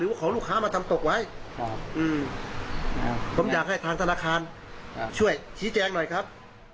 อืมผมอยากให้ธนาคารช่วยชี้แจงหน่อยครับ